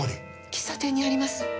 喫茶店にあります。